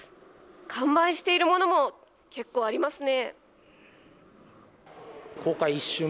完売しているものも結構ありますね。